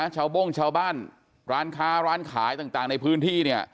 โบ้งชาวบ้านร้านค้าร้านขายต่างในพื้นที่เนี่ย